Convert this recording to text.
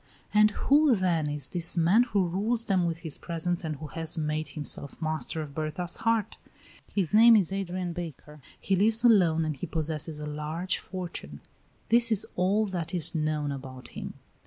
And who, then, is this man who rules them with his presence and who has made himself master of Berta's heart? His name is Adrian Baker, he lives alone, and he possesses a large fortune. This is all that is known about him.